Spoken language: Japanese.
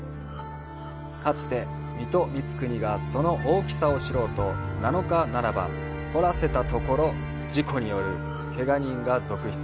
かつて、水戸光圀がこの大きさを知ろうと七日七晩掘らせたところ、事故によるけが人が続出。